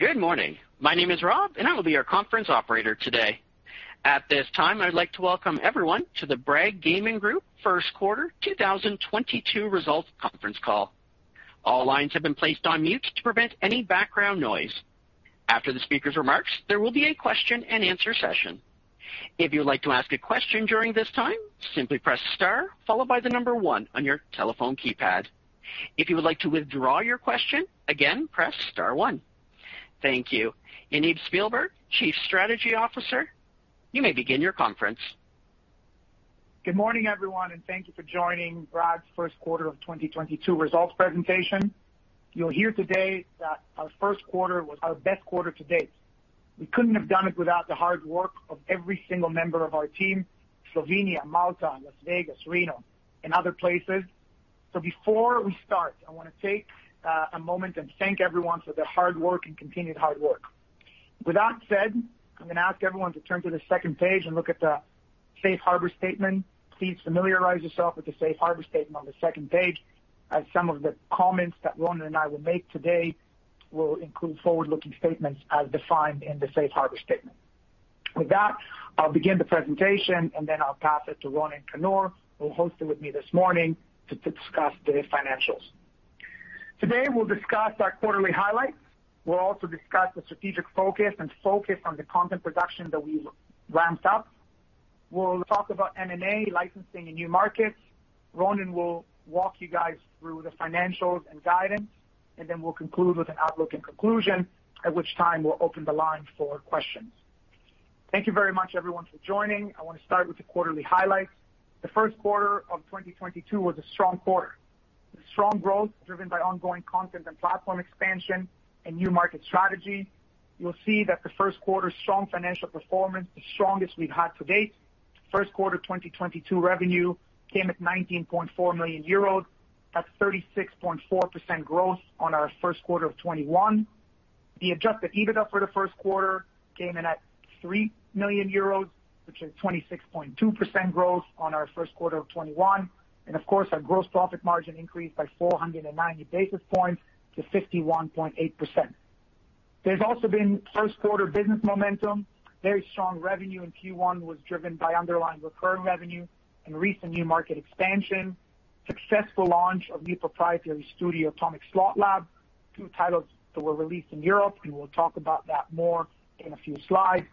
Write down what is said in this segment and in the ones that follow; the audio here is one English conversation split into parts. Good morning. My name is Rob, and I will be your conference operator today. At this time, I'd like to welcome everyone to the Bragg Gaming Group First Quarter 2022 Results Conference Call. All lines have been placed on mute to prevent any background noise. After the speaker's remarks, there will be a question-and-answer session. If you would like to ask a question during this time, simply press Star followed by the number one on your telephone keypad. If you would like to withdraw your question, again, press star one. Thank you. Yaniv Spielberg, Chief Strategy Officer, you may begin your conference. Good morning, everyone, and thank you for joining Bragg's first quarter of 2022 results presentation. You'll hear today that our first quarter was our best quarter to date. We couldn't have done it without the hard work of every single member of our team, Slovenia, Malta, Las Vegas, Reno, and other places. Before we start, I wanna take a moment and thank everyone for their hard work and continued hard work. With that said, I'm gonna ask everyone to turn to the second page and look at the safe harbor statement. Please familiarize yourself with the safe harbor statement on the second page as some of the comments that Ron and I will make today will include forward-looking statements as defined in the safe harbor statement. With that, I'll begin the presentation, and then I'll pass it to Ronen Kannor, who will host it with me this morning to discuss the financials. Today, we'll discuss our quarterly highlights. We'll also discuss the strategic focus on the content production that we ramped up. We'll talk about M&A licensing in new markets. Ronen Kannor will walk you guys through the financials and guidance, and then we'll conclude with an outlook and conclusion, at which time we'll open the line for questions. Thank you very much, everyone, for joining. I wanna start with the quarterly highlights. The first quarter of 2022 was a strong quarter. The strong growth driven by ongoing content and platform expansion and new market strategy. You'll see that the first quarter's strong financial performance, the strongest we've had to date. First quarter 2022 revenue came at 19.4 million euros. That's 36.4% growth on our first quarter of 2021. The adjusted EBITDA for the first quarter came in at 3 million euros, which is 26.2% growth on our first quarter of 2021. Of course, our gross profit margin increased by 490 basis points to 51.8%. There's also been first quarter business momentum. Very strong revenue in Q1 was driven by underlying recurring revenue and recent new market expansion. Successful launch of new proprietary studio, Atomic Slot Lab, two titles that were released in Europe, and we'll talk about that more in a few slides.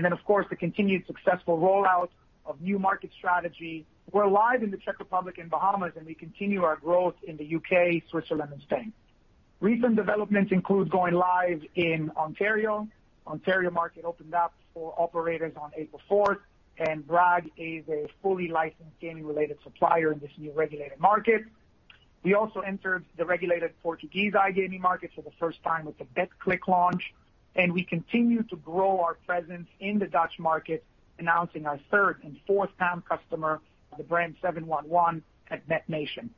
Then, of course, the continued successful rollout of new market strategy. We're live in the Czech Republic and Bahamas, and we continue our growth in the U.K., Switzerland, and Spain. Recent developments include going live in Ontario. Ontario market opened up for operators on April 4, and Bragg is a fully licensed gaming-related supplier in this new regulated market. We also entered the regulated Portuguese iGaming market for the first time with the Betclic launch, and we continue to grow our presence in the Dutch market, announcing our third and fourth PAM customer, the brand 711 at Bet Nation.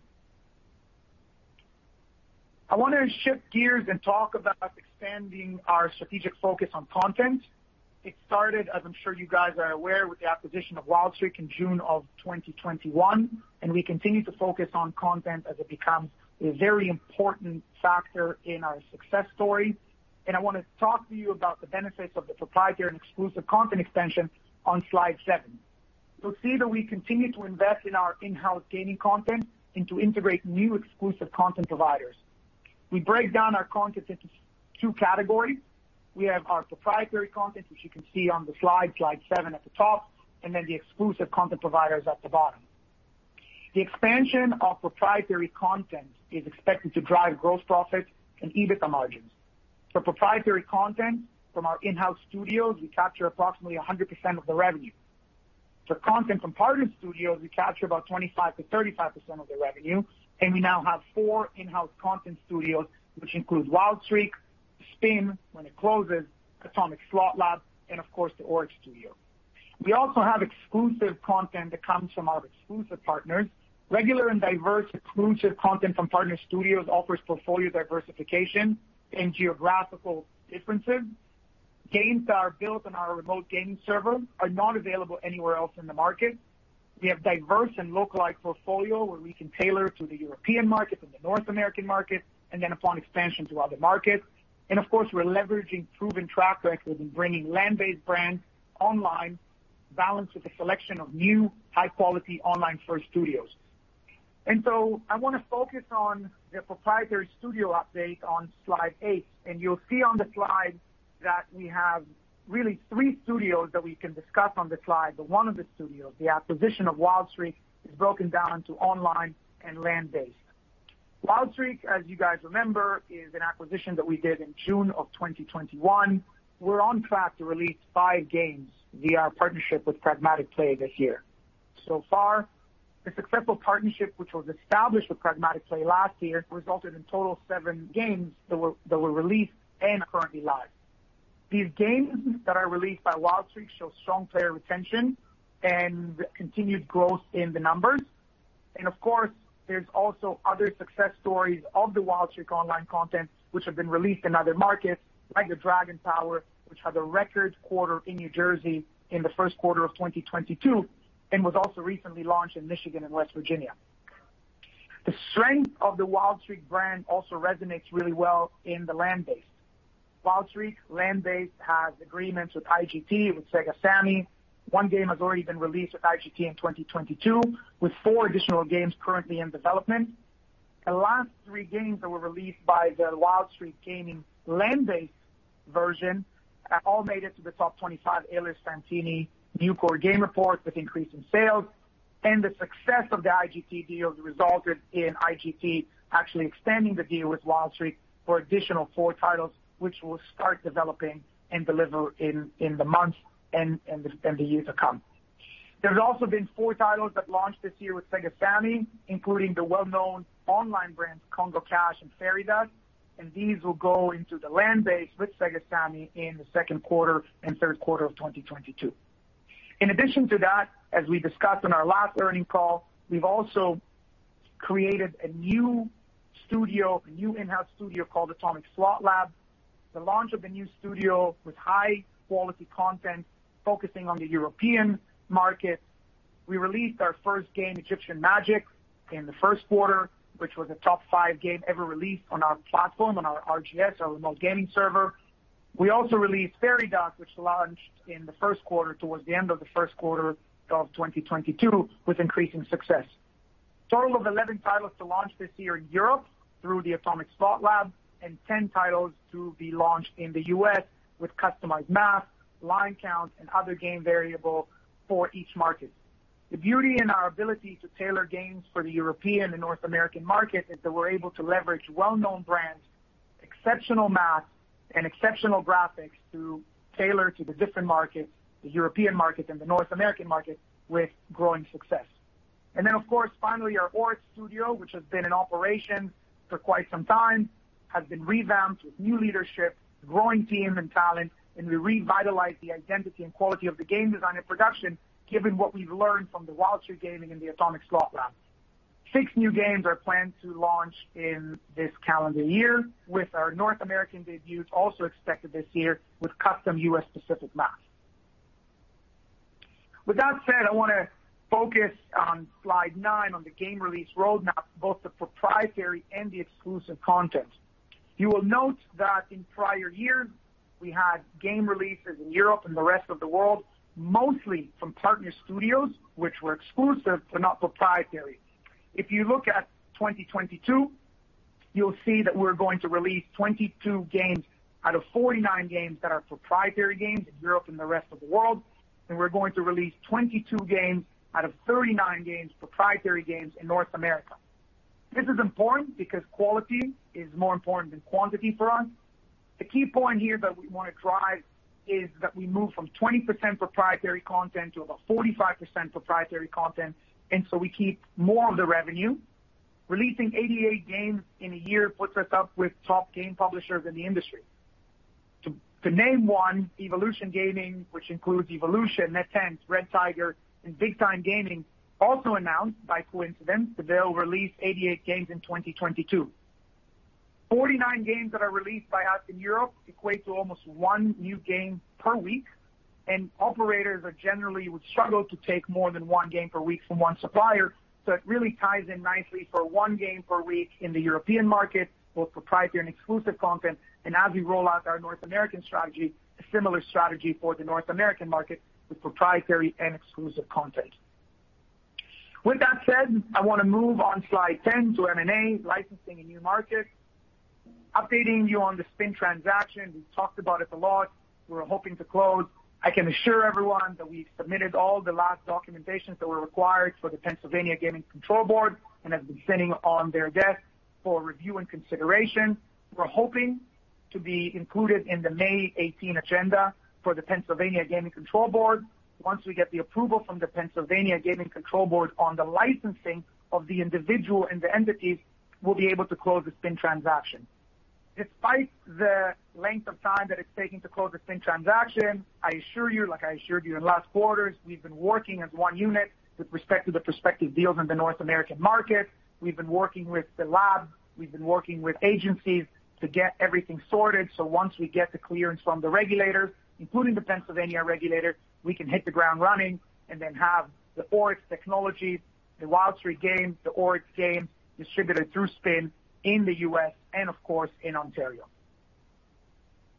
I want to shift gears and talk about expanding our strategic focus on content. It started, as I'm sure you guys are aware, with the acquisition of Wild Streak in June of 2021, and we continue to focus on content as it becomes a very important factor in our success story. I want to talk to you about the benefits of the proprietary and exclusive content expansion on slide seven. You'll see that we continue to invest in our in-house gaming content and to integrate new exclusive content providers. We break down our content into two categories. We have our proprietary content, which you can see on the slide seven at the top, and then the exclusive content providers at the bottom. The expansion of proprietary content is expected to drive gross profit and EBITDA margins. For proprietary content from our in-house studios, we capture approximately 100% of the revenue. For content from partner studios, we capture about 25%-35% of the revenue, and we now have four in-house content studios, which include Wild Streak, Spin, when it closes, Atomic Slot Lab, and of course, the Oryx studio. We also have exclusive content that comes from our exclusive partners. Regular and diverse exclusive content from partner studios offers portfolio diversification and geographical differences. Games that are built on our remote gaming server are not available anywhere else in the market. We have diverse and localized portfolio where we can tailor to the European market and the North American market, and then upon expansion to other markets. Of course, we're leveraging proven track records in bringing land-based brands online balanced with a selection of new high-quality online first studios. I wanna focus on the proprietary studio update on slide eight, and you'll see on the slide that we have really three studios that we can discuss on the slide, but one of the studios, the acquisition of Wild Streak, is broken down into online and land-based. Wild Streak, as you guys remember, is an acquisition that we did in June 2021. We're on track to release 5 games via our partnership with Pragmatic Play this year. So far, the successful partnership which was established with Pragmatic Play last year resulted in total seven games that were released and are currently live. These games that are released by Wild Streak show strong player retention and continued growth in the numbers. Of course, there's also other success stories of the Wild Streak online content which have been released in other markets, like the Dragon Tower, which had a record quarter in New Jersey in the first quarter of 2022 and was also recently launched in Michigan and West Virginia. The strength of the Wild Streak brand also resonates really well in the land-based. Wild Streak land-based has agreements with IGT, with Sega Sammy. One game has already been released with IGT in 2022, with four additional games currently in development. The last three games that were released by the Wild Streak Gaming land-based version all made it to the top 25 Eilers & Krejcik new-to-floor game performance report with increase in sales. The success of the IGT deal resulted in IGT actually extending the deal with Wild Streak for additional four titles, which we'll start developing and deliver in the months and the years to come. There's also been four titles that launched this year with Sega Sammy, including the well-known online brands Congo Cash and Fairy Dust, and these will go into the land-based with Sega Sammy in the second quarter and third quarter of 2022. In addition to that, as we discussed on our last earnings call, we've also created a new studio, a new in-house studio called Atomic Slot Lab. The launch of the new studio with high-quality content focusing on the European market. We released our first game, Egyptian Magic, in the first quarter, which was a top five game ever released on our platform, on our RGS, our remote gaming server. We also released Fairy Dust, which launched in the first quarter, towards the end of the first quarter of 2022 with increasing success. Total of 11 titles to launch this year in Europe through the Atomic Slot Lab and 10 titles to be launched in the U.S. with customized math, line counts and other game variable for each market. The beauty in our ability to tailor games for the European and North American market is that we're able to leverage well-known brands, exceptional math and exceptional graphics to tailor to the different markets, the European market and the North American market with growing success. Of course, finally our Oryx Studio, which has been in operation for quite some time, has been revamped with new leadership, growing team and talent, and we revitalized the identity and quality of the game design and production, given what we've learned from the Wild Streak Gaming and the Atomic Slot Lab. Six new games are planned to launch in this calendar year, with our North American debuts also expected this year with custom U.S. specific math. With that said, I wanna focus on slide nine on the game release roadmap, both the proprietary and the exclusive content. You will note that in prior years, we had game releases in Europe and the rest of the world, mostly from partner studios, which were exclusive but not proprietary. If you look at 2022, you'll see that we're going to release 22 games out of 49 games that are proprietary games in Europe and the rest of the world. We're going to release 22 games out of 39 games, proprietary games in North America. This is important because quality is more important than quantity for us. The key point here that we wanna drive is that we move from 20% proprietary content to about 45% proprietary content, and so we keep more of the revenue. Releasing 88 games in a year puts us up with top game publishers in the industry. To name one, Evolution Gaming, which includes Evolution, NetEnt, Red Tiger Gaming and Big Time Gaming, also announced by coincidence that they'll release 88 games in 2022. 49 games that are released by us in Europe equates to almost one new game per week, and operators generally would struggle to take more than one game per week from one supplier. It really ties in nicely for one game per week in the European market, both proprietary and exclusive content. As we roll out our North American strategy, a similar strategy for the North American market with proprietary and exclusive content. With that said, I wanna move on slide 10 to M&A, licensing and new markets. Updating you on the Spin transaction. We've talked about it a lot. We're hoping to close. I can assure everyone that we've submitted all the latest documentation that was required for the Pennsylvania Gaming Control Board and have been sitting on their desk for review and consideration. We're hoping to be included in the May 18 agenda for the Pennsylvania Gaming Control Board. Once we get the approval from the Pennsylvania Gaming Control Board on the licensing of the individual and the entities, we'll be able to close the Spin transaction. Despite the length of time that it's taking to close the Spin transaction, I assure you, like I assured you in last quarters, we've been working as one unit with respect to the prospective deals in the North American market. We've been working with the lab, we've been working with agencies to get everything sorted, so once we get the clearance from the regulators, including the Pennsylvania regulator, we can hit the ground running and then have the Oryx technology, the Wild Streak games, the Oryx games distributed through Spin in the US and of course in Ontario.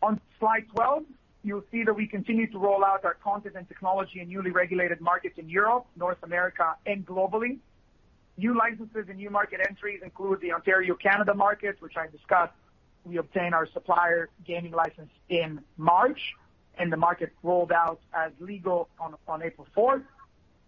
On slide 12, you'll see that we continue to roll out our content and technology in newly regulated markets in Europe, North America and globally. New licenses and new market entries include the Ontario, Canada market, which I discussed. We obtained our supplier gaming license in March, and the market rolled out as legal on April 4.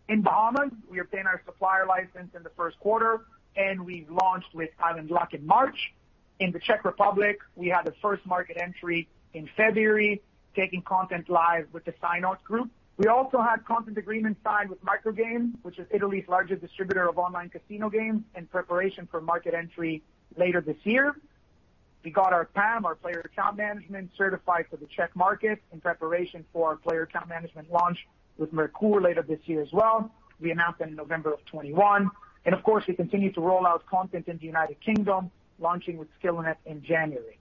In the Bahamas, we obtained our supplier license in the first quarter, and we launched with Island Luck in March. In the Czech Republic, we had the first market entry in February, taking content live with the SYNOT Group. We also had content agreement signed with Microgame, which is Italy's largest distributor of online casino games, in preparation for market entry later this year. We got our PAM, our player account management, certified for the Czech market in preparation for our player account management launch with Merkur later this year as well. We announced that in November 2021. Of course, we continue to roll out content in the United Kingdom, launching with SkillOnNet in January.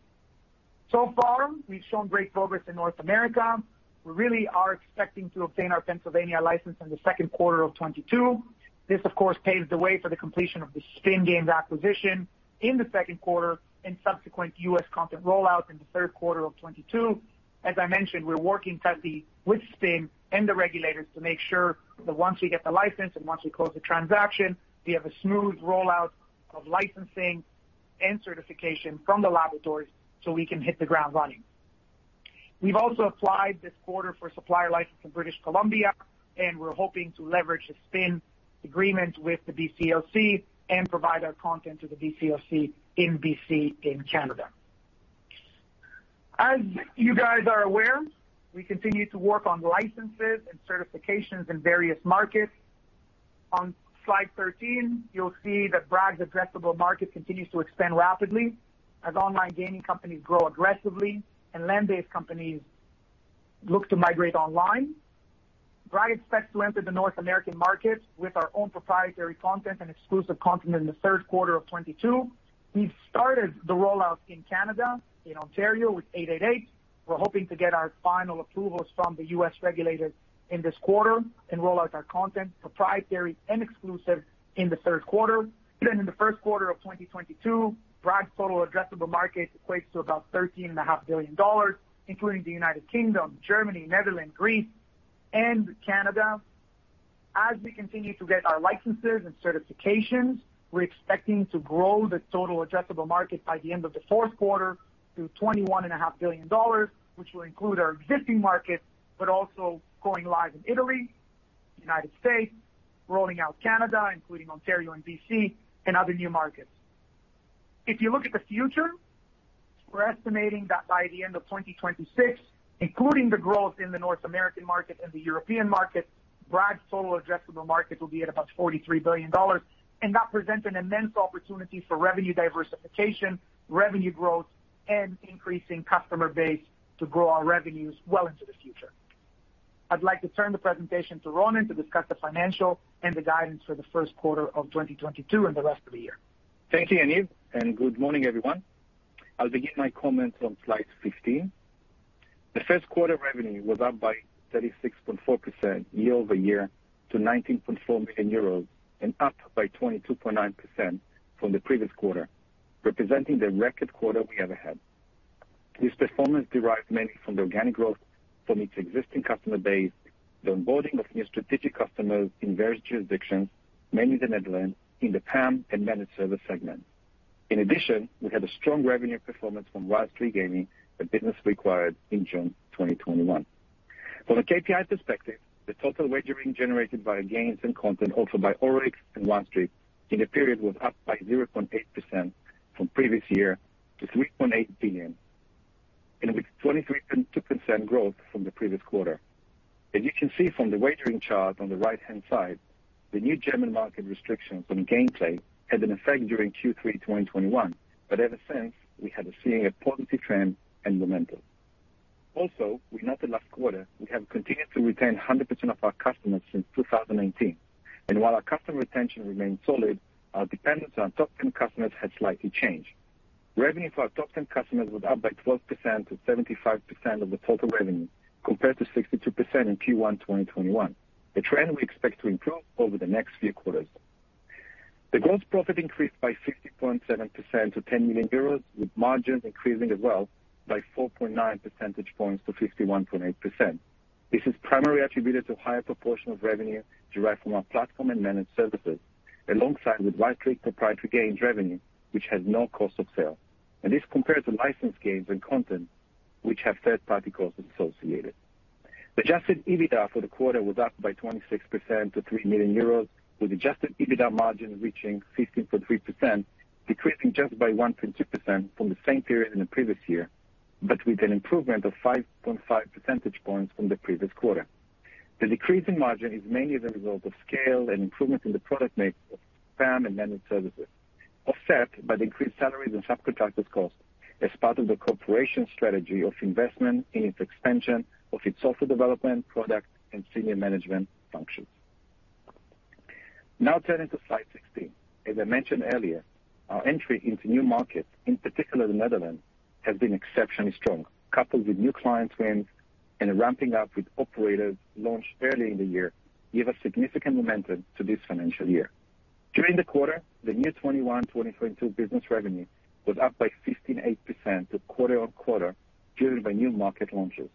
So far, we've shown great progress in North America. We really are expecting to obtain our Pennsylvania license in the second quarter of 2022. This, of course, paves the way for the completion of the Spin Games acquisition in the second quarter and subsequent U.S. content rollout in the third quarter of 2022. As I mentioned, we're working tightly with Spin Games and the regulators to make sure that once we get the license and once we close the transaction, we have a smooth rollout of licensing and certification from the laboratories so we can hit the ground running. We've also applied this quarter for supplier license in British Columbia, and we're hoping to leverage the Spin agreement with the BCLC and provide our content to the BCLC in BC in Canada. As you guys are aware, we continue to work on licenses and certifications in various markets. On slide 13, you'll see that Bragg's addressable market continues to expand rapidly as online gaming companies grow aggressively and land-based companies look to migrate online. Bragg expects to enter the North American market with our own proprietary content and exclusive content in the third quarter of 2022. We've started the rollout in Canada, in Ontario with 888. We're hoping to get our final approvals from the U.S. regulators in this quarter and roll out our content proprietary and exclusive in the third quarter. In the first quarter of 2022, Bragg's total addressable market equates to about $13.5 billion, including the United Kingdom, Germany, Netherlands, Greece, and Canada. As we continue to get our licenses and certifications, we're expecting to grow the total addressable market by the end of the fourth quarter to $21.5 billion, which will include our existing markets, but also going live in Italy, United States, rolling out Canada, including Ontario and BC, and other new markets. If you look at the future, we're estimating that by the end of 2026, including the growth in the North American market and the European market, Bragg's total addressable market will be at about $43 billion. That presents an immense opportunity for revenue diversification, revenue growth, and increasing customer base to grow our revenues well into the future. I'd like to turn the presentation to Ronen to discuss the financials and the guidance for the first quarter of 2022 and the rest of the year. Thank you, Yaniv, and good morning, everyone. I'll begin my comments on slide 15. The first quarter revenue was up by 36.4% year over year to 19.4 million euros and up by 22.9% from the previous quarter, representing the record quarter we ever had. This performance derives mainly from the organic growth from its existing customer base, the onboarding of new strategic customers in various jurisdictions, mainly the Netherlands, in the PAM and managed service segment. In addition, we had a strong revenue performance from Wild Streak Gaming, a business we acquired in June 2021. From a KPI perspective, the total wagering generated by games and content offered by Oryx and Wild Streak in the period was up by 0.8% from previous year to 3.8 billion, and with a 23% growth from the previous quarter. As you can see from the wagering chart on the right-hand side, the new German market restrictions on gameplay had an effect during Q3 2021, but ever since, we have been seeing a positive trend and momentum. Also, we note that last quarter, we have continued to retain 100% of our customers since 2018. While our customer retention remains solid, our dependence on top ten customers has slightly changed. Revenue for our top ten customers was up by 12% to 75% of the total revenue, compared to 62% in Q1 2021, a trend we expect to improve over the next few quarters. The gross profit increased by 15.7% to 10 million euros, with margins increasing as well by 4.9 percentage points to 51.8%. This is primarily attributed to higher proportion of revenue derived from our platform and managed services, alongside with Wild Streak proprietary games revenue, which has no cost of sale. This compares to licensed games and content which have third-party costs associated. The adjusted EBITDA for the quarter was up by 26% to 3 million euros, with adjusted EBITDA margin reaching 15.3%, decreasing just by 1.2% from the same period in the previous year, but with an improvement of 5.5 percentage points from the previous quarter. The decrease in margin is mainly the result of scale and improvements in the product mix of PAM and managed services, offset by the increased salaries and subcontractors costs as part of the corporate strategy of investment in its expansion of its software development, product and senior management functions. Now turning to slide 16. As I mentioned earlier, our entry into new markets, in particular the Netherlands, has been exceptionally strong. Coupled with new client wins and a ramping up with operators launched early in the year, give a significant momentum to this financial year. During the quarter, the new 2021-2022 business revenue was up by 15.8% quarter-on-quarter, driven by new market launches.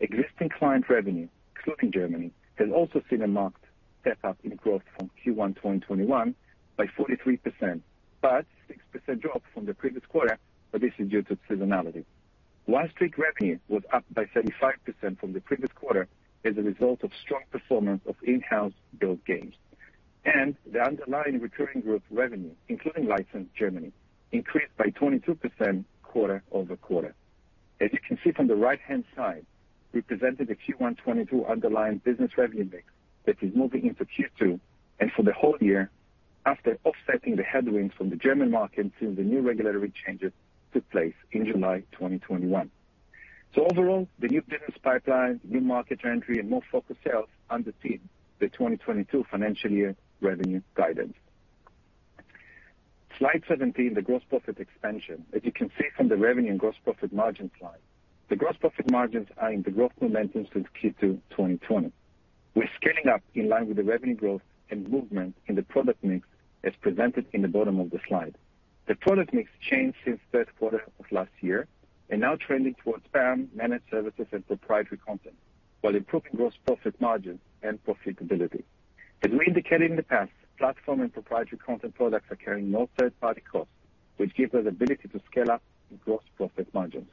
Existing client revenue, excluding Germany, has also seen a marked step-up in growth from Q1 2021 by 43%, but 6% drop from the previous quarter, but this is due to seasonality. Wild Streak revenue was up by 35% from the previous quarter as a result of strong performance of in-house built games. The underlying recurring group revenue, including licensed Germany, increased by 22% quarter-over-quarter. As you can see from the right-hand side, we presented the Q1 2022 underlying business revenue mix that is moving into Q2 and for the whole year after offsetting the headwinds from the German market since the new regulatory changes took place in July 2021. Overall, the new business pipeline, new market entry, and more focused sales underpin the 2022 financial year revenue guidance. Slide 17, the gross profit expansion. As you can see from the revenue and gross profit margin slide, the gross profit margins are in the growth momentum since Q2 2020. We're scaling up in line with the revenue growth and movement in the product mix as presented in the bottom of the slide. The product mix changed since third quarter of last year and now trending towards PAM, managed services and proprietary content, while improving gross profit margin and profitability. As we indicated in the past, platform and proprietary content products are carrying no third-party costs, which gives us ability to scale up gross profit margins.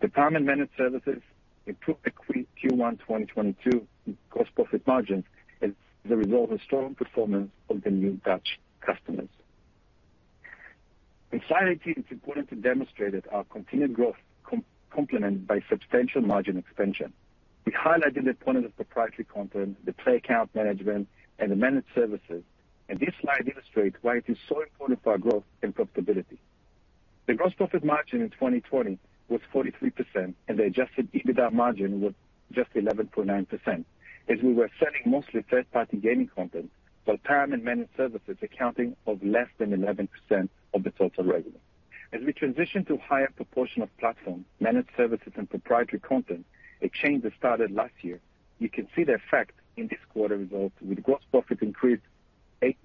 The PAM and managed services improved Q1 2022 gross profit margins as the result of strong performance of the new touch customers. In slide 18, it's important to demonstrate that our continued growth complemented by substantial margin expansion. We highlighted the point of proprietary content, the play account management, and the managed services, and this slide illustrates why it is so important for our growth and profitability. The gross profit margin in 2020 was 43%, and the adjusted EBITDA margin was just 11.9%, as we were selling mostly third-party gaming content, while PAM and managed services accounting for less than 11% of the total revenue. As we transition to higher proportion of platform, managed services and proprietary content, a change that started last year, you can see the effect in this quarter results with gross profit increased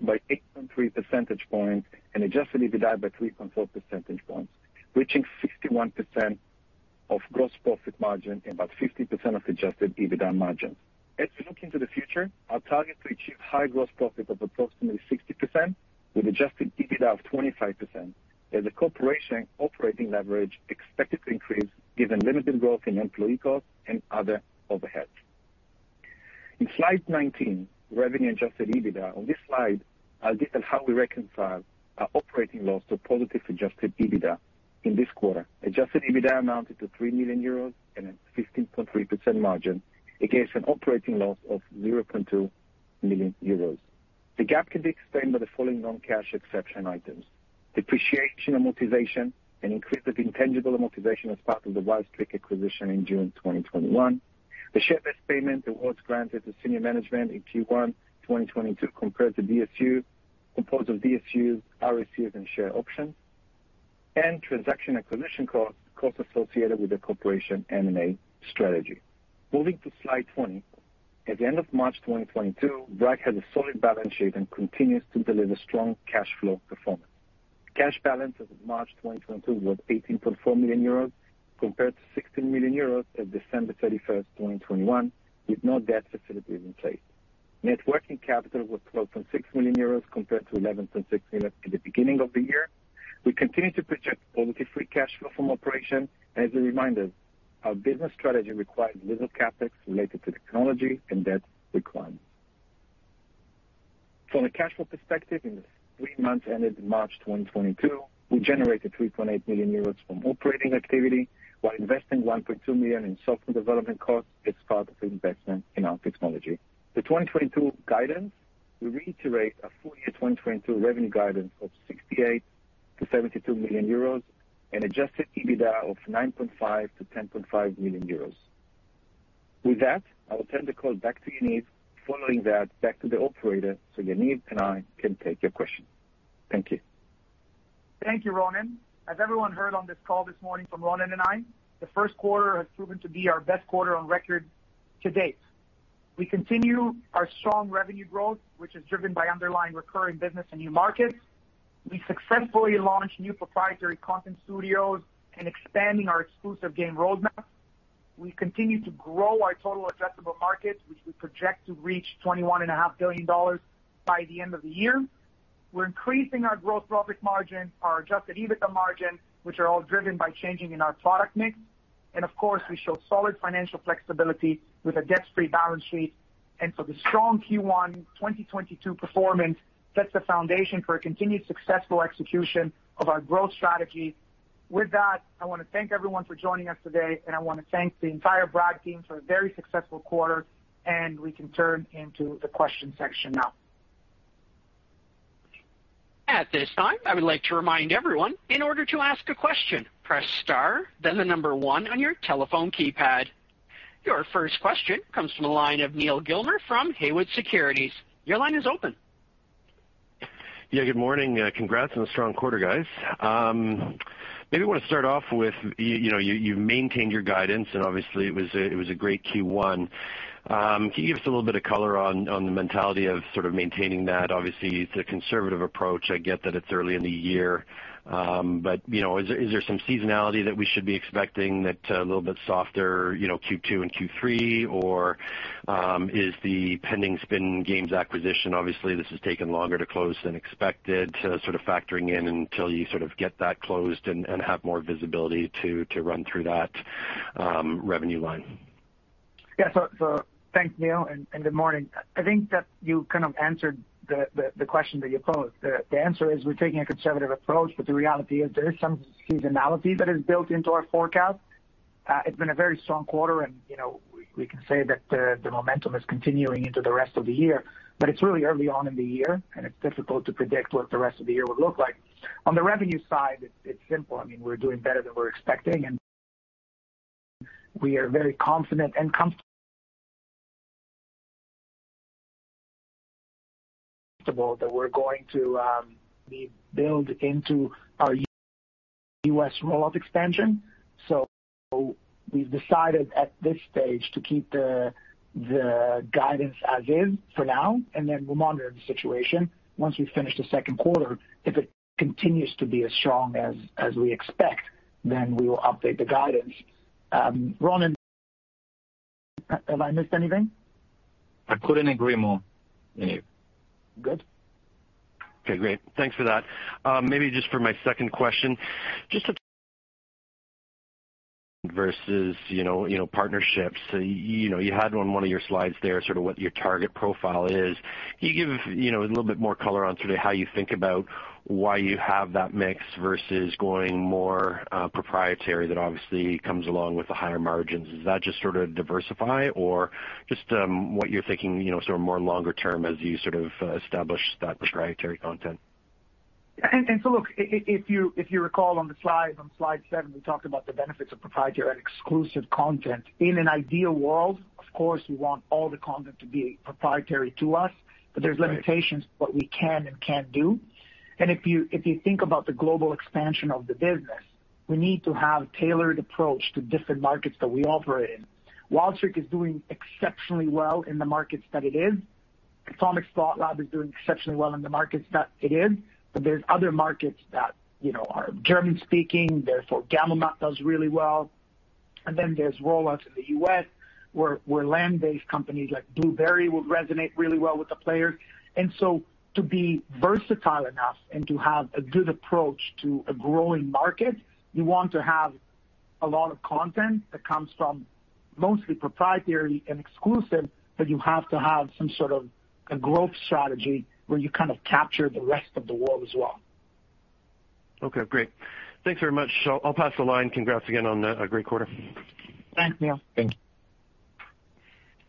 by 8.3 percentage points and adjusted EBITDA by 3.4 percentage points, reaching 61% of gross profit margin and about 50% of adjusted EBITDA margins. As we look into the future, our target to achieve high gross profit of approximately 60% with adjusted EBITDA of 25% as the corporation operating leverage expected to increase given limited growth in employee costs and other overheads. In Slide 19, revenue adjusted EBITDA. On this slide, I'll detail how we reconcile our operating loss to positive adjusted EBITDA in this quarter. Adjusted EBITDA amounted to 3 million euros and a 15.3% margin against an operating loss of 0.2 million euros. The gap can be explained by the following non-cash exception items: depreciation, amortization, and increase of intangible amortization as part of the Wild Streak acquisition in June 2021, the share-based payment awards granted to senior management in Q1 2022 compared to DSU, composed of DSU, RSUs, and share options, and transaction acquisition costs associated with the corporation M&A strategy. Moving to slide 20. At the end of March 2022, Bragg had a solid balance sheet and continues to deliver strong cash flow performance. Cash balance as of March 2022 was 18.4 million euros compared to 16 million euros as December 31, 2021, with no debt facilities in place. Net working capital was 12.6 million euros compared to 11.6 million at the beginning of the year. We continue to project positive free cash flow from operation. As a reminder, our business strategy requires little CapEx related to technology and debt requirements. From a cash flow perspective, in the three months ended March 2022, we generated 3.8 million euros from operating activity while investing 1.2 million in software development costs as part of the investment in our technology. The 2022 guidance, we reiterate our full year 2022 revenue guidance of 68 million-72 million euros and adjusted EBITDA of 9.5 million-10.5 million euros. With that, I will turn the call back to Yaniv, following that back to the operator so Yaniv and I can take your questions. Thank you. Thank you, Ronen. As everyone heard on this call this morning from Ronen and I, the first quarter has proven to be our best quarter on record to date. We continue our strong revenue growth, which is driven by underlying recurring business and new markets. We successfully launched new proprietary content studios and expanding our exclusive game roadmap. We continue to grow our total addressable markets, which we project to reach $21.5 Billion by the end of the year. We're increasing our gross profit margin, our adjusted EBITDA margin, which are all driven by change in our product mix. Of course, we show solid financial flexibility with a debt-free balance sheet. The strong Q1 2022 performance sets the foundation for a continued successful execution of our growth strategy. With that, I wanna thank everyone for joining us today, and I wanna thank the entire Bragg team for a very successful quarter, and we can turn into the question section now. At this time, I would like to remind everyone, in order to ask a question, press star then the number one on your telephone keypad. Your first question comes from the line of Neal Gilmer from Haywood Securities. Your line is open. Yeah, good morning. Congrats on the strong quarter, guys. Maybe want to start off with, you know, you maintained your guidance and obviously it was a great Q1. Can you give us a little bit of color on the mentality of sort of maintaining that? Obviously it's a conservative approach. I get that it's early in the year, but you know, is there some seasonality that we should be expecting that a little bit softer, you know, Q2 and Q3? Or is the pending Spin Games acquisition, obviously this has taken longer to close than expected, sort of factoring in until you sort of get that closed and have more visibility to run through that revenue line. Yeah. Thanks, Neal, and good morning. I think that you kind of answered the question that you posed. The answer is we're taking a conservative approach, but the reality is there is some seasonality that is built into our forecast. It's been a very strong quarter and, you know, we can say that the momentum is continuing into the rest of the year, but it's really early on in the year and it's difficult to predict what the rest of the year will look like. On the revenue side, it's simple. I mean, we're doing better than we're expecting and we are very confident and comfortable that we're going to need to build into our US rollout expansion. We've decided at this stage to keep the guidance as is for now, and then we'll monitor the situation. Once we finish the second quarter, if it continues to be as strong as we expect, then we will update the guidance. Ron, have I missed anything? I couldn't agree more, Yaniv. Good. Okay, great. Thanks for that. Maybe just for my second question, just versus, you know, partnerships. You know, you had on one of your slides there sort of what your target profile is. Can you give, you know, a little bit more color on sort of how you think about why you have that mix versus going more proprietary that obviously comes along with the higher margins? Is that just sort of diversify or just what you're thinking, you know, sort of more longer term as you sort of establish that proprietary content? Look, if you recall on the slide, on slide seven, we talked about the benefits of proprietary and exclusive content. In an ideal world, of course, we want all the content to be proprietary to us, but there's limitations to what we can and can't do. If you think about the global expansion of the business, we need to have tailored approach to different markets that we operate in. Wild Streak is doing exceptionally well in the markets that it is. Atomic Slot Lab is doing exceptionally well in the markets that it is. But there's other markets that, you know, are German-speaking, therefore GAMOMAT does really well. There's rollouts in the U.S., where land-based companies like Bluberi would resonate really well with the players. To be versatile enough and to have a good approach to a growing market, you want to have a lot of content that comes from mostly proprietary and exclusive, but you have to have some sort of a growth strategy where you kind of capture the rest of the world as well. Okay, great. Thanks very much. I'll pass the line. Congrats again on a great quarter. Thanks, Neal. Thanks.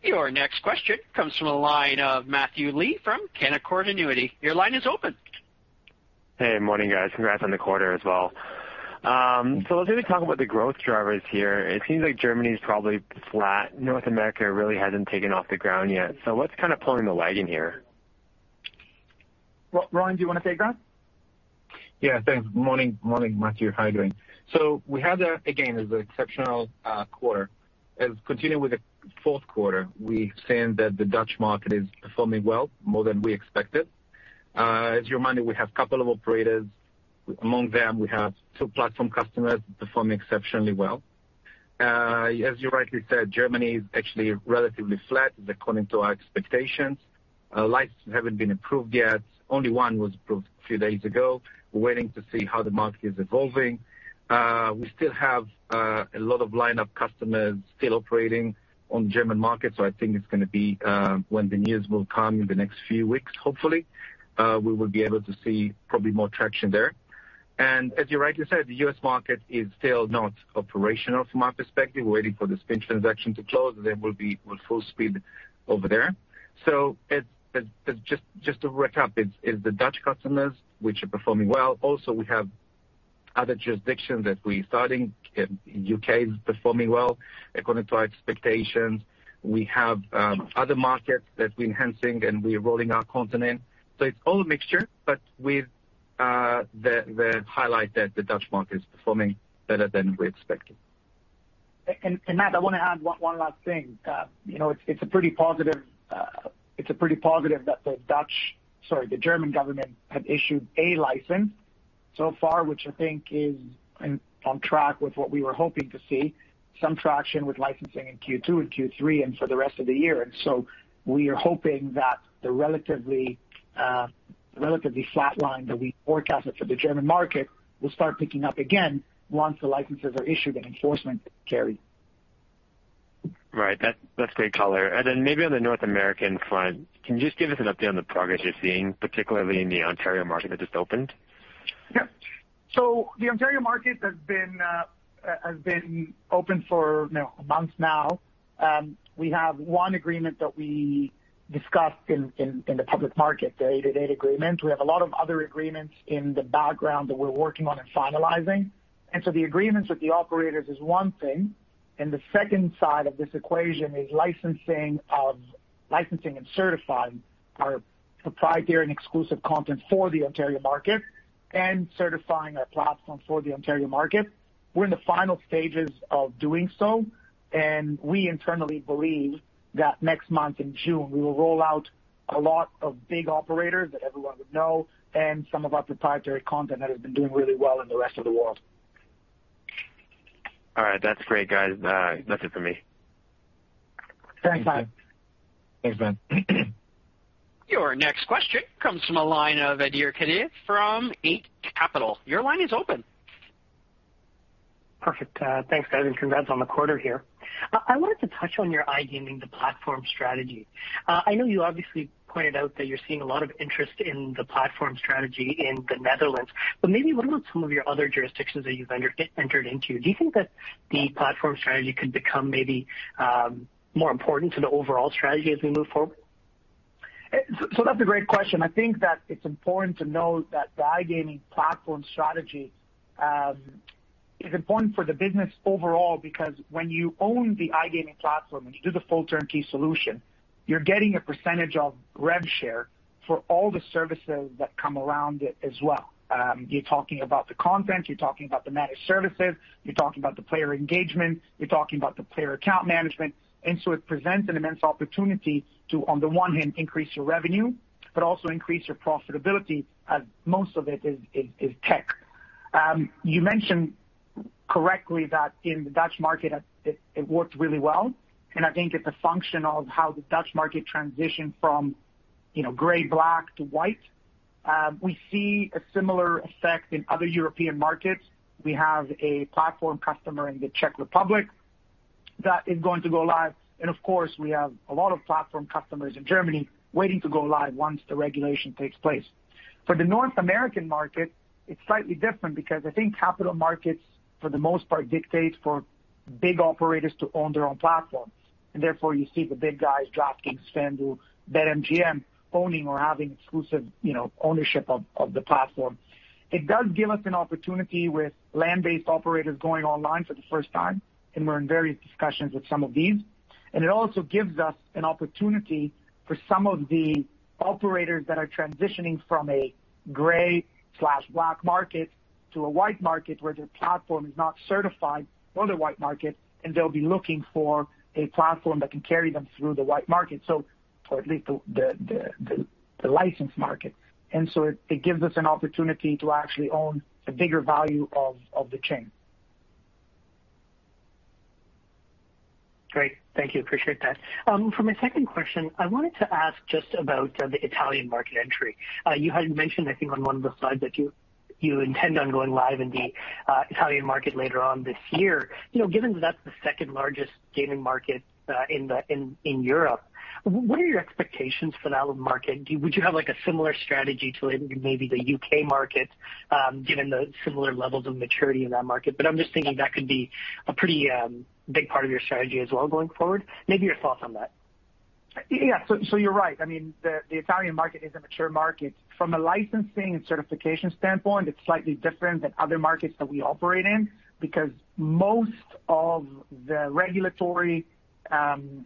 Your next question comes from the line of Matthew Lee from Canaccord Genuity. Your line is open. Hey, morning guys. Congrats on the quarter as well. Let's maybe talk about the growth drivers here. It seems like Germany is probably flat. North America really hasn't gotten off the ground yet. What's kind of pulling the wagon here? Ron, do you wanna take that? Yeah. Thanks. Morning, Matthew. How are you doing? We had a, again, it was an exceptional quarter. Continuing with the fourth quarter, we've seen that the Dutch market is performing well, more than we expected. As you remind, we have couple of operators. Among them, we have two platform customers performing exceptionally well. As you rightly said, Germany is actually relatively flat according to our expectations. Licenses haven't been approved yet. Only one was approved a few days ago. We're waiting to see how the market is evolving. We still have a lot of lineup customers still operating on German market, so I think it's gonna be when the news will come in the next few weeks, hopefully, we will be able to see probably more traction there. As you rightly said, the U.S. market is still not operational from our perspective. We're waiting for the Spin transaction to close, and then we'll be full speed over there. It's just to recap, it's the Dutch customers which are performing well. Also, we have other jurisdictions that we're starting. U.K. is performing well according to our expectations. We have other markets that we're enhancing and we're rolling our content in. It's all a mixture, but with the highlight that the Dutch market is performing better than we expected. Matt, I wanna add one last thing. It's a pretty positive that the German government had issued a license so far, which I think is on track with what we were hoping to see, some traction with licensing in Q2 and Q3 and for the rest of the year. We are hoping that the relatively flat line that we forecasted for the German market will start picking up again once the licenses are issued and enforcement carried. Right. That's great color. Maybe on the North American front, can you just give us an update on the progress you're seeing, particularly in the Ontario market that just opened? Yeah. The Ontario market has been open for, you know, a month now. We have one agreement that we discussed in the public market, the 888 agreement. We have a lot of other agreements in the background that we're working on and finalizing. The agreements with the operators is one thing, and the second side of this equation is licensing and certifying our proprietary and exclusive content for the Ontario market and certifying our platform for the Ontario market. We're in the final stages of doing so, and we internally believe that next month in June, we will roll out a lot of big operators that everyone would know and some of our proprietary content that has been doing really well in the rest of the world. All right. That's great, guys. That's it for me. Thanks, Matt. Thanks, Matt. Your next question comes from the line of Adhir Kadve from Eight Capital. Your line is open. Perfect. Thanks, guys, and congrats on the quarter here. I wanted to touch on your iGaming, the platform strategy. I know you obviously pointed out that you're seeing a lot of interest in the platform strategy in the Netherlands, but maybe what about some of your other jurisdictions that you've entered into? Do you think that the platform strategy could become maybe more important to the overall strategy as we move forward? That's a great question. I think that it's important to note that the iGaming platform strategy is important for the business overall because when you own the iGaming platform and you do the full turnkey solution, you're getting a percentage of rev share for all the services that come around it as well. You're talking about the content, you're talking about the managed services, you're talking about the player engagement, you're talking about the player account management. It presents an immense opportunity to, on the one hand, increase your revenue but also increase your profitability as most of it is tech. You mentioned correctly that in the Dutch market it worked really well, and I think it's a function of how the Dutch market transitioned from, you know, gray, black to white. We see a similar effect in other European markets. We have a platform customer in the Czech Republic that is going to go live. Of course, we have a lot of platform customers in Germany waiting to go live once the regulation takes place. For the North American market, it's slightly different because I think capital markets, for the most part, dictate for big operators to own their own platform, and therefore you see the big guys, DraftKings, FanDuel, BetMGM, owning or having exclusive, you know, ownership of the platform. It does give us an opportunity with land-based operators going online for the first time, and we're in various discussions with some of these. It also gives us an opportunity for some of the operators that are transitioning from a gray/black market to a white market where their platform is not certified for the white market, and they'll be looking for a platform that can carry them through the white market. Or at least the licensed market. It gives us an opportunity to actually own a bigger value of the chain. Great. Thank you. Appreciate that. For my second question, I wanted to ask just about the Italian market entry. You had mentioned, I think on one of the slides that you intend on going live in the Italian market later on this year. You know, given that that's the second-largest gaming market in Europe, what are your expectations for that market? Would you have, like, a similar strategy to maybe the U.K. market, given the similar levels of maturity in that market? I'm just thinking that could be a pretty big part of your strategy as well going forward. Maybe your thoughts on that. Yeah. You're right. The Italian market is a mature market. From a licensing and certification standpoint, it's slightly different than other markets that we operate in because most of the regulatory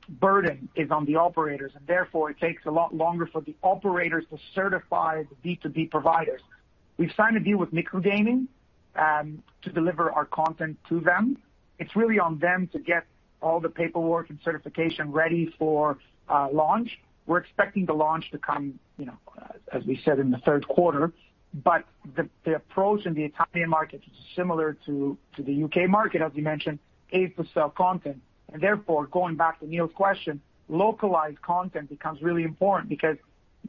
burden is on the operators, and therefore it takes a lot longer for the operators to certify the B2B providers. We've signed a deal with Microgame to deliver our content to them. It's really on them to get all the paperwork and certification ready for launch. We're expecting the launch to come, you know, as we said in the third quarter. The approach in the Italian market is similar to the UK market, as you mentioned, pay for self-content. Therefore, going back to Neal's question, localized content becomes really important because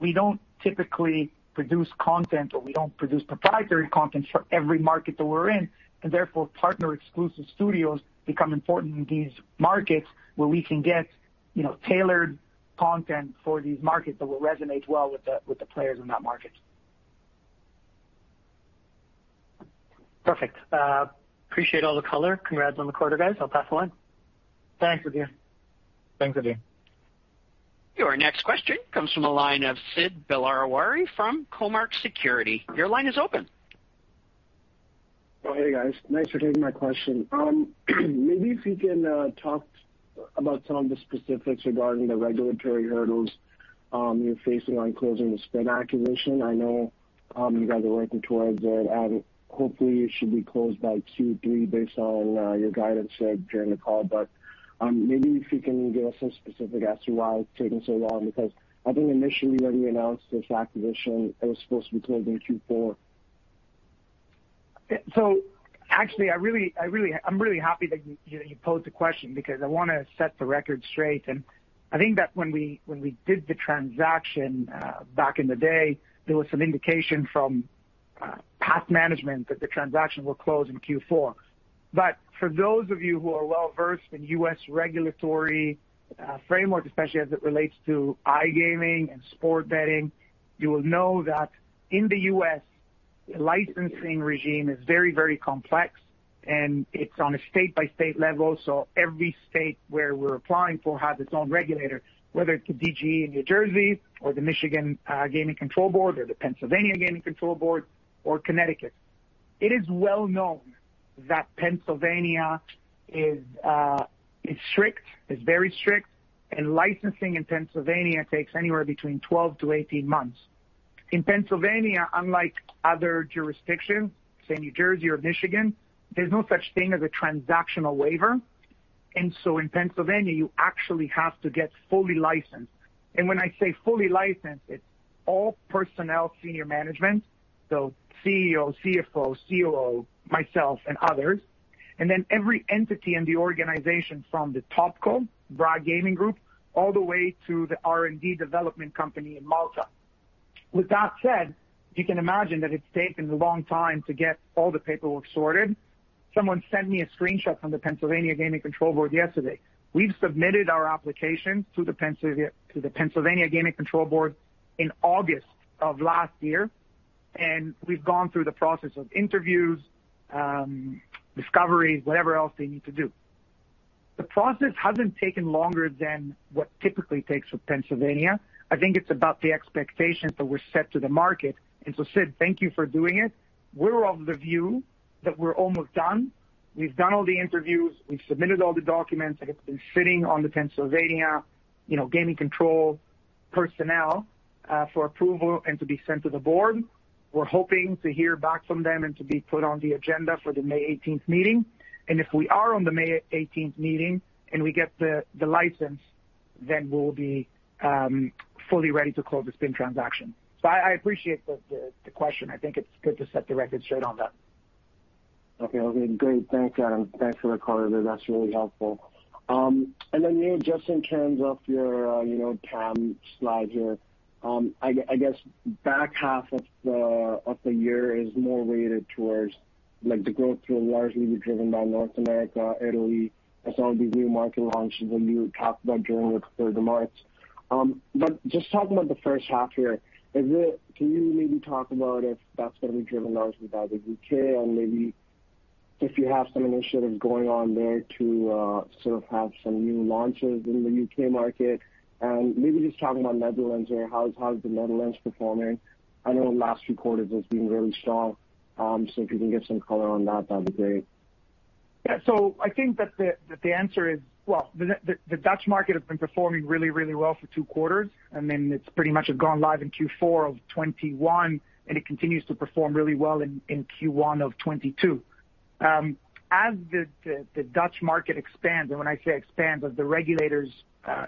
we don't typically produce content or we don't produce proprietary content for every market that we're in, and therefore, partner-exclusive studios become important in these markets where we can get, you know, tailored content for these markets that will resonate well with the players in that market. Perfect. Appreciate all the color. Congrats on the quarter, guys. I'll pass the line. Thanks, Adhir Kadve. Thanks, Adhir Kadve. Your next question comes from the line of Sid Dilawari from Cormark Securities. Your line is open. Oh, hey, guys. Thanks for taking my question. Maybe if you can talk about some of the specifics regarding the regulatory hurdles you're facing on closing the Spin acquisition. I know you guys are working towards it and hopefully it should be closed by Q3 based on your guidance during the call. Maybe if you can give us some specifics as to why it's taking so long, because I think initially when you announced this acquisition, it was supposed to be closed in Q4. Actually, I'm really happy that you posed the question because I wanna set the record straight. I think that when we did the transaction back in the day, there was some indication from past management that the transaction will close in Q4. For those of you who are well-versed in U.S. regulatory framework, especially as it relates to iGaming and sports betting, you will know that in the U.S., licensing regime is very, very complex, and it's on a state-by-state level. Every state where we're applying for has its own regulator, whether it's the DGE in New Jersey or the Michigan Gaming Control Board or the Pennsylvania Gaming Control Board or Connecticut. It is well known that Pennsylvania is strict, very strict, and licensing in Pennsylvania takes anywhere between 12-18 months. In Pennsylvania, unlike other jurisdictions, say, New Jersey or Michigan, there's no such thing as a transactional waiver. In Pennsylvania, you actually have to get fully licensed. When I say fully licensed, it's all personnel, senior management, so CEO, CFO, COO, myself and others, and then every entity in the organization from the top company, Bragg Gaming Group, all the way to the R&D development company in Malta. With that said, you can imagine that it's taken a long time to get all the paperwork sorted. Someone sent me a screenshot from the Pennsylvania Gaming Control Board yesterday. We've submitted our application to the Pennsylvania Gaming Control Board in August of last year, and we've gone through the process of interviews, discovery, whatever else they need to do. The process hasn't taken longer than what typically takes for Pennsylvania. I think it's about the expectations that were set to the market. Sid, thank you for doing it. We're of the view that we're almost done. We've done all the interviews. We've submitted all the documents. It has been sitting on the Pennsylvania Gaming Control Board personnel, you know, for approval and to be sent to the board. We're hoping to hear back from them and to be put on the agenda for the May eighteenth meeting. If we are on the May 18th meeting and we get the license, then we'll be fully ready to close the Spin transaction. I appreciate the question. I think it's good to set the record straight on that. Okay, great. Thanks, Yavin. Thanks for the clarity. That's really helpful. Then you just in terms of your, you know, PAM slide here, I guess back half of the year is more weighted towards like the growth will largely be driven by North America, Italy as all the new market launches that you talked about during the third of March. Just talking about the first half year, is it. Can you maybe talk about if that's gonna be driven largely by the U.K. and maybe if you have some initiatives going on there to sort of have some new launches in the U.K. market. Maybe just talking about Netherlands or how's the Netherlands performing. I know last quarter it was doing really strong. If you can give some color on that'd be great. I think that the answer is, well, the Dutch market has been performing really well for two quarters, and then it's pretty much gone live in Q4 of 2021, and it continues to perform really well in Q1 of 2022. As the Dutch market expands, and when I say expands, as the regulators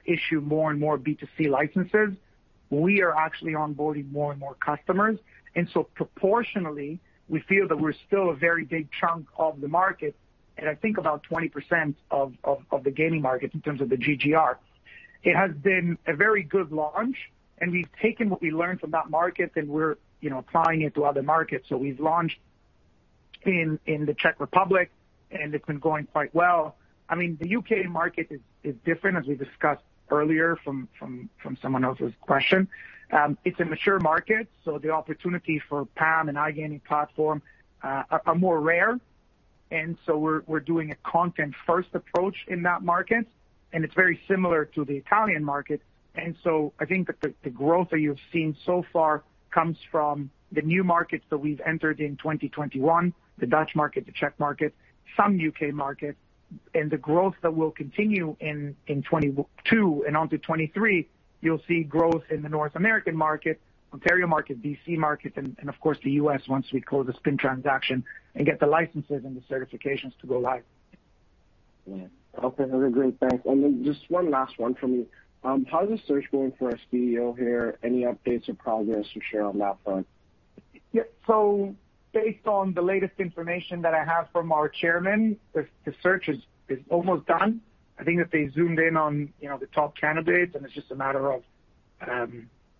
issue more and more B2C licenses, we are actually onboarding more and more customers. Proportionally, we feel that we're still a very big chunk of the market, and I think about 20% of the gaming market in terms of the GGR. It has been a very good launch, and we've taken what we learned from that market, and we're, you know, applying it to other markets. We've launched in the Czech Republic, and it's been going quite well. I mean, the U.K. market is different, as we discussed earlier from someone else's question. It's a mature market, so the opportunity for PAM and iGaming platform are more rare. We're doing a content-first approach in that market, and it's very similar to the Italian market. I think that the growth that you've seen so far comes from the new markets that we've entered in 2021, the Dutch market, the Czech market, some U.K. markets, and the growth that will continue in 2022 and onto 2023. You'll see growth in the North American market, Ontario market, BC market, and of course, the U.S. once we close the Spin transaction and get the licenses and the certifications to go live. Yeah. Okay, that's great. Thanks. Just one last one from me. How's the search going for a CEO here? Any updates or progress to share on that front? Yeah. Based on the latest information that I have from our chairman, the search is almost done. I think that they zoomed in on, you know, the top candidates, and it's just a matter of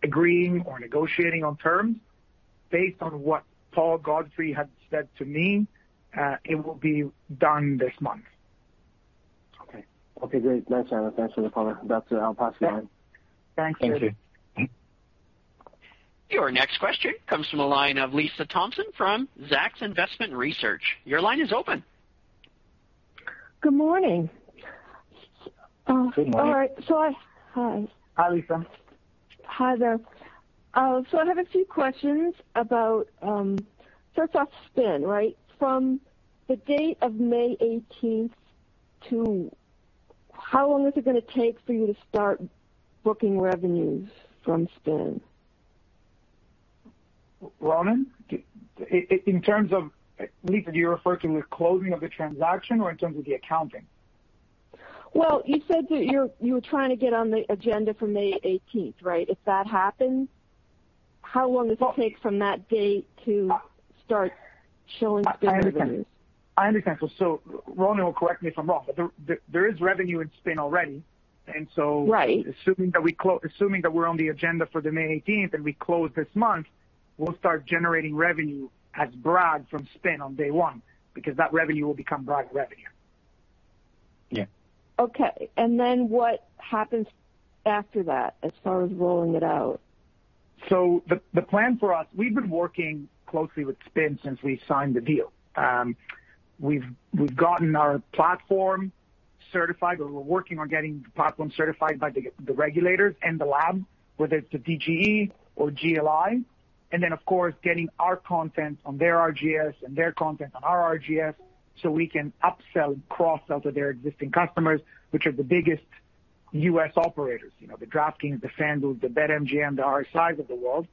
agreeing or negotiating on terms. Based on what Paul Godfrey had said to me, it will be done this month. Okay. Okay, great. Thanks, Adam. Thanks for the comment. That's it. I'll pass it on. Thanks, Sid. Thank you. Your next question comes from the line of Lisa Thompson from Zacks Investment Research. Your line is open. Good morning. Good morning. All right. Hi. Hi, Lisa. Hi there. I have a few questions about, first off Spin, right? From the date of May 18th to how long is it gonna take for you to start booking revenues from Spin? Ronen, in terms of, Lisa, are you referring to the closing of the transaction or in terms of the accounting? Well, you said that you were trying to get on the agenda for May 18th, right? If that happens, how long does it take from that date to start showing Spin revenues? I understand. Ronen will correct me if I'm wrong, but there is revenue in Spin already. Right. Assuming that we're on the agenda for the May eighteenth and we close this month, we'll start generating revenue as Bragg from Spin on day one because that revenue will become Bragg revenue. Yeah. Okay. What happens after that as far as rolling it out? The plan for us, we've been working closely with Spin since we signed the deal. We've gotten our platform certified, or we're working on getting the platform certified by the regulators and the lab, whether it's the DGE or GLI. Of course, getting our content on their RGS and their content on our RGS so we can upsell and cross-sell to their existing customers, which are the biggest U.S. operators. You know, the DraftKings, the FanDuel, the BetMGM, the RSI of the world.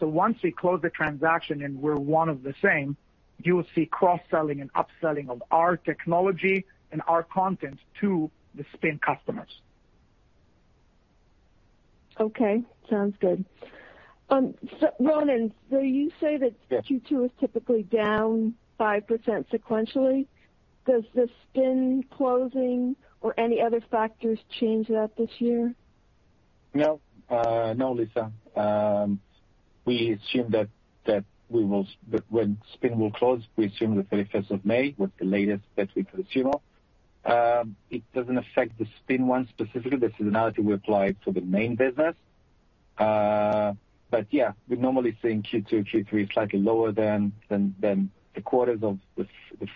Once we close the transaction and we're one and the same, you will see cross-selling and upselling of our technology and our content to the Spin customers. Okay. Sounds good. Ronen, so you say that. Yes. Q2 is typically down 5% sequentially. Does the Spin closing or any other factors change that this year? No, no, Lisa. We assume that when Spin will close, we assume the 31st of May with the latest that we could assume of. It doesn't affect the Spin one specifically. The seasonality we apply to the main business. Yeah, we normally think Q2, Q3 is slightly lower than the quarters of the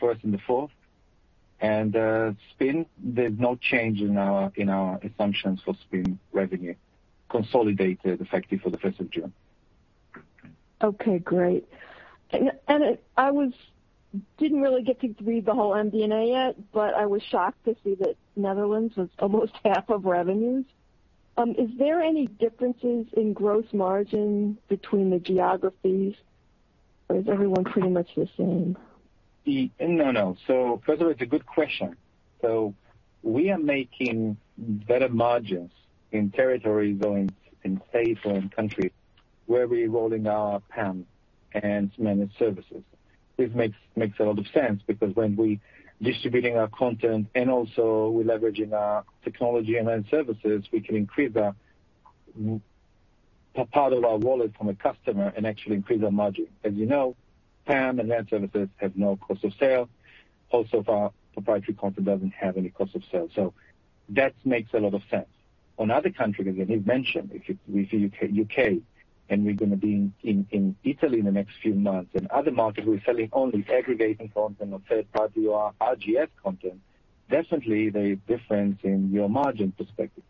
first and the fourth. Spin, there's no change in our assumptions for Spin revenue consolidated effective for the first of June. Okay, great. I didn't really get to read the whole MD&A yet, but I was shocked to see that Netherlands was almost half of revenues. Is there any differences in gross margin between the geographies or is everyone pretty much the same? First of all, it's a good question. We are making better margins in territories or in states or in countries where we're rolling our PAM and managed services. This makes a lot of sense because when we distributing our content and also we're leveraging our technology and managed services, we can increase our m- a part of our wallet from a customer and actually increase our margin. As you know, PAM and managed services have no cost of sale. Also our proprietary content doesn't have any cost of sale, so that makes a lot of sense. On other countries, as Yaniv mentioned, if it's with U.K. and we're gonna be in Italy in the next few months, in other markets, we're selling only aggregating content of third party or RGS content. Definitely there is difference in your margin perspective.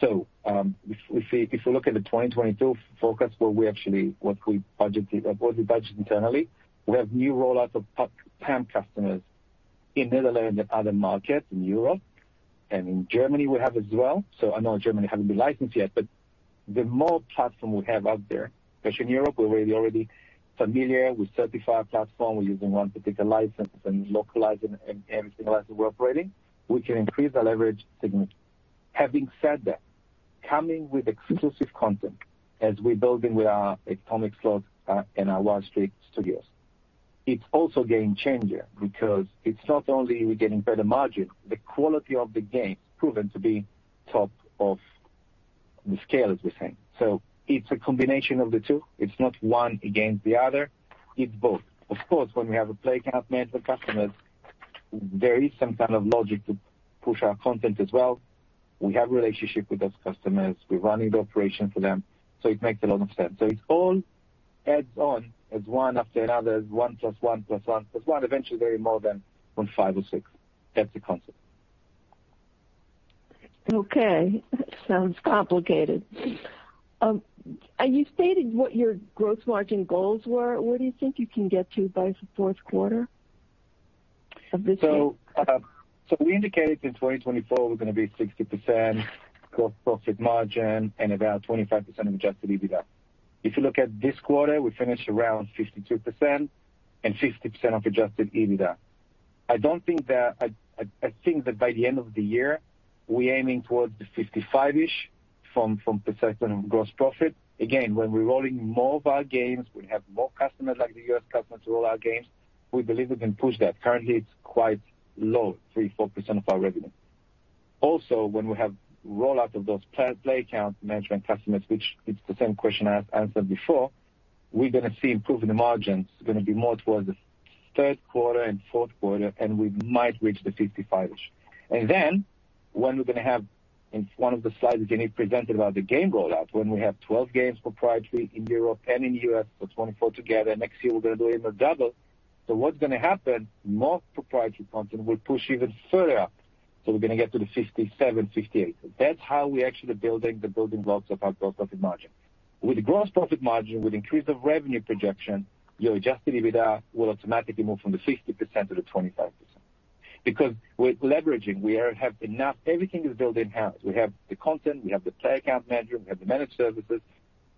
If we look at the 2022 forecast where we actually budgeted what we budget internally, we have new rollouts of PAM customers in Netherlands and other markets in Europe and in Germany we have as well. I know Germany haven't been licensed yet, but the more platform we have out there, especially in Europe, we're really already familiar, we certify our platform, we're using one particular license and localizing and signaling we're operating, we can increase our leverage significantly. Having said that, coming with exclusive content as we're building with our Atomic Slot Lab and our Wild Streak Gaming, it's also game changer because it's not only we're getting better margin, the quality of the games proven to be top of the scale, as we say. It's a combination of the two. It's not one against the other, it's both. Of course, when we have a platform account management customers, there is some kind of logic to push our content as well. We have relationship with those customers. We're running the operation for them, so it makes a lot of sense. It all adds on as one after another, one plus one plus one plus one. Eventually they're more than one, five or six. That's the concept. Okay. Sounds complicated. You stated what your gross margin goals were. Where do you think you can get to by the fourth quarter of this year? We indicated in 2024 we're gonna be 60% gross profit margin and about 25% of adjusted EBITDA. If you look at this quarter, we finished around 52% and 60% of adjusted EBITDA. I think that by the end of the year we aiming towards the 55-ish% of gross profit. Again, when we're rolling more of our games, we have more customers like the US customers roll out games, we believe we can push that. Currently it's quite low, 3%-4% of our revenue. Also, when we have rollout of those play account management customers, which it's the same question I answered before, we're gonna see improvement in the margins. It's gonna be more towards the third quarter and fourth quarter, and we might reach the 55-ish. When we're gonna have, in one of the slides Yaniv presented about the game rollout, when we have 12 games proprietary in Europe and in U.S. for 24 together. Next year we're gonna do even double. What's gonna happen, more proprietary content will push even further up. We're gonna get to the 57, 58. That's how we actually building the building blocks of our gross profit margin. With gross profit margin, with increase of revenue projection, your adjusted EBITDA will automatically move from the 60% to the 25%. Because we're leveraging, we are have enough. Everything is built in-house. We have the content, we have the play account manager, we have the managed services,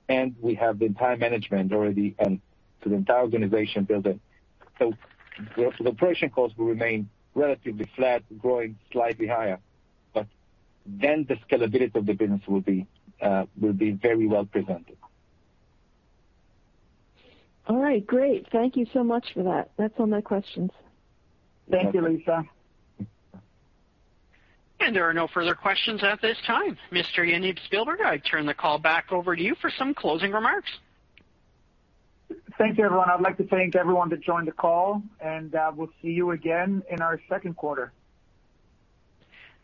and we have the entire management already and so the entire organization built in. The operating costs will remain relatively flat, growing slightly higher, but then the scalability of the business will be very well presented. All right, great. Thank you so much for that. That's all my questions. Thank you, Lisa. There are no further questions at this time. Mr. Yaniv Spielberg, I turn the call back over to you for some closing remarks. Thank you, everyone. I'd like to thank everyone that joined the call, and we'll see you again in our second quarter.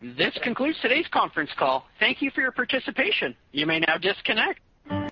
This concludes today's conference call. Thank you for your participation. You may now disconnect.